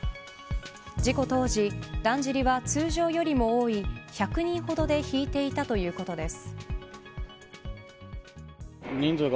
事故当時だんじりは通常よりも多い１００人ほどで引いていたということです。